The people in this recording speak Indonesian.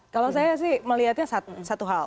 kalau saya sih melihatnya satu hal